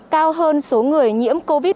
cao hơn số người nhiễm covid một mươi chín